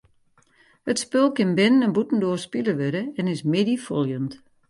It spul kin binnen- en bûtendoar spile wurde en is middeifoljend.